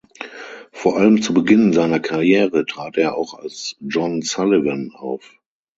Vor allem zu Beginn seiner Karriere trat er auch als John Sullivan auf.